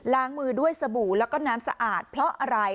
มือด้วยสบู่แล้วก็น้ำสะอาดเพราะอะไร